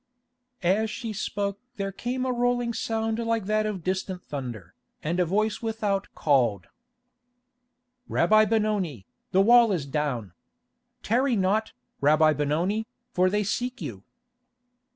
As she spoke there came a rolling sound like that of distant thunder, and a voice without called: "Rabbi Benoni, the wall is down. Tarry not, Rabbi Benoni, for they seek you."